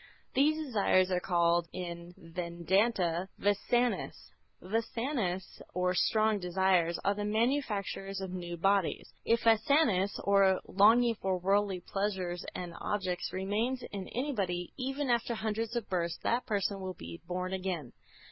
These desires are called in Vedanta, Vâsanâs. Vâsanâs or strong desires are the manufacturers of new bodies. If Vâsanâ or longing for worldly pleasures and objects remains in anybody, even after hundreds of births, that person will be born again.